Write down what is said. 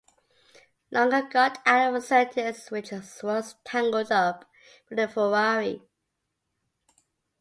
Lunger got out of his Surtees which was tangled up with the Ferrari.